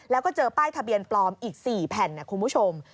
แล้วก็เจอป้ายทะเบียนปลอมอีก๔แผ่นนะคุณผู้ชม